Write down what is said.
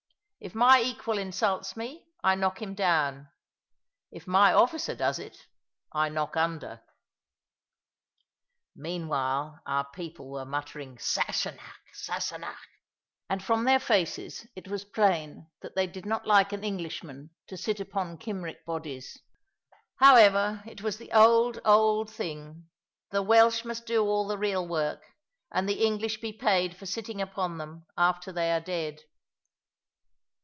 If my equal insults me, I knock him down; if my officer does it, I knock under. Meanwhile our people were muttering "Sassenach, Sassenach!" And from their faces it was plain that they did not like an Englishman to sit upon Cymric bodies. However, it was the old, old thing. The Welsh must do all the real work; and the English be paid for sitting upon them after they are dead.